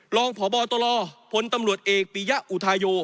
รองพบตลพลตำรวจเอกปียะอุทาโย